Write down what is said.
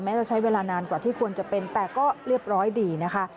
จะใช้เวลานานกว่าที่ควรจะเป็นแต่ก็เรียบร้อยดีนะคะ